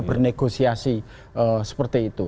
bernegosiasi seperti itu